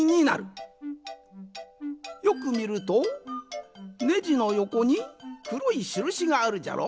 よくみるとネジのよこにくろいしるしがあるじゃろ？